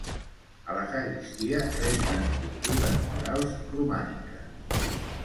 A la sagristia resten pintures murals romàniques.